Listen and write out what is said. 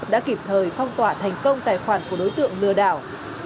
đã kịp thời phong tỏa thành công tài khoản của đối tượng lừa đảo